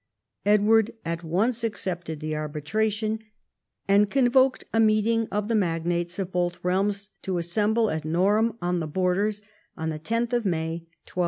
Edward at once accepted the arbitration, and convoked a meeting of the magnates of both realms to assemble at Norham on the Borders on 10th May 1291.